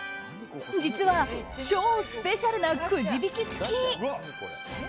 実は超スペシャルなくじ引き付き。